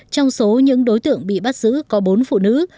trong số những đối tượng bị bắt giữ có bốn phụ nữ